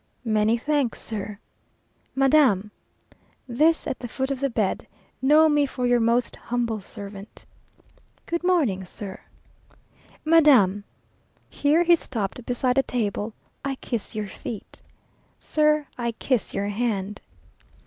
"Many thanks, sir." "Madam!" (this at the foot of the bed) "know me for your most humble servant." "Good morning, sir." "Madam!" (here he stopped beside a table) "I kiss your feet." "Sir, I kiss your hand."